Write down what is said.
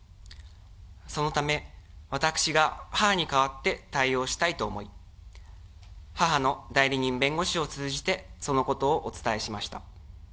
そのため、私が母に代わって対応したいと思い、母の代理人弁護士を通じてそのことをお伝えしました。